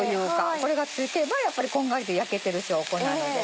これがつけばこんがりと焼けてる証拠なのでね